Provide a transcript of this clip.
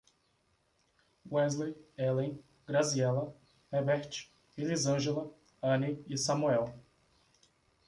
Wesley, Ellen, Graziela, Hebert, Elisângela, Ane e Samoel